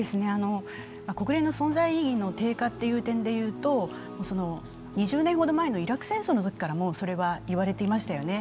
国連の存在意義の低下という点でいうと２０年ほど前のイラク戦争のときからそれは言われていましたよね。